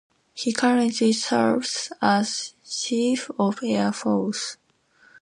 He currently serves as Chief of Air Force.